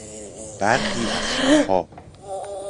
برخی از شبها